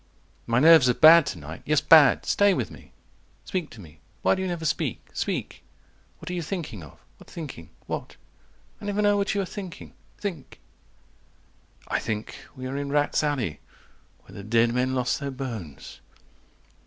110 "My nerves are bad to night. Yes, bad. Stay with me. Speak to me. Why do you never speak? Speak. What are you thinking of? What thinking? What? I never know what you are thinking. Think." I think we are in rats' alley 115 Where the dead men lost their bones.